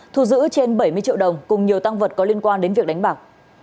thu giữ trên bảy mươi triệu đồng cùng nhiều tăng vật có liên quan đến việc đánh bạc